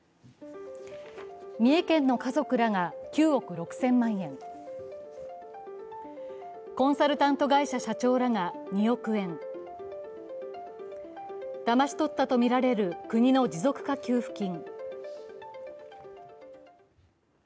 三重県の家族らが９億６０００万円、コンサルタント会社社長らが２億円だまし取ったとみられる国の持続化給付金。